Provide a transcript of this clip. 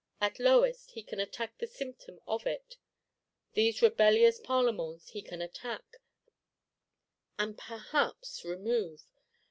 At lowest, he can attack the symptom of it: these rebellious Parlements he can attack, and perhaps remove.